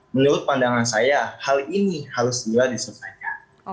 menurut pandangan saya hal ini harus tiba tiba diselesaikan